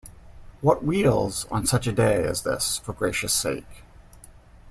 What wheels on such a day as this, for gracious sake?